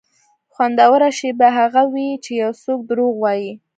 خوندوره شېبه هغه وي چې یو څوک دروغ وایي.